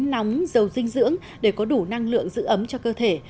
nóng dầu dinh dưỡng để có đủ năng lượng giữ ấm cho cơ thể